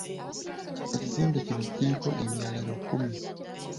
Ekizimbe kino kiriko emyaliriro kkumi.